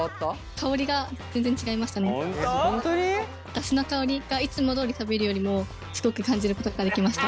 だしの香りがいつもどおり食べるよりもすごく感じることができました。